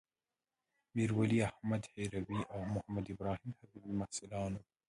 میرولی احمد هروي او محمدابراهیم حبيبي محصلان وو.